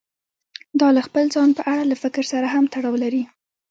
دا له خپل ځان په اړه له فکر سره هم تړاو لري.